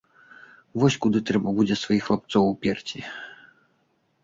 Вось куды трэба будзе сваіх хлапцоў уперці.